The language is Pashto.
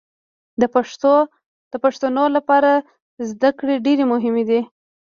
د پښتنو لپاره زدکړې ډېرې مهمې دي